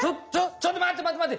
ちょっとまってまって！